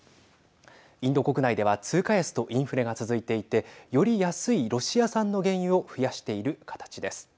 インド国内では通貨安とインフレが続いていてより安いロシア産の原油を増やしている形です。